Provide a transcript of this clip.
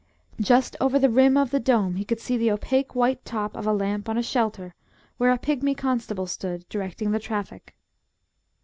Just over the rim of the dome he could see the opaque white top of a lamp on a shelter, where a pigmy constable stood, directing the traffic.